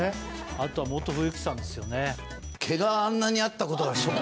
あとはモト冬樹さんですよね。